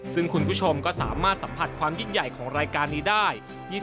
ซึ่งคุณผู้ชมก็สามารถสัมผัสความยิ่งใหญ่ของรายการนี้ได้